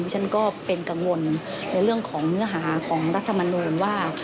ฉันก็เป็นกังวลในเรื่องของเนื้อหาของรัฐมนูลว่า